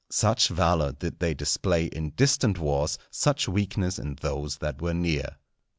Such valour did they display in distant wars, such weakness in those that were near.